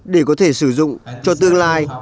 để có thể sử dụng cho tương lai